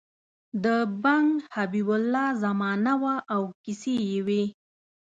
د بنګ حبیب الله زمانه وه او کیسې یې وې.